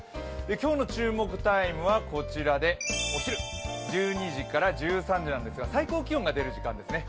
今日の注目タイムはこちらでお昼１２時から１３時なんですが、最高気温が出る時間ですね。